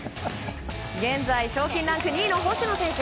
現在賞金ランク２位の星野選手。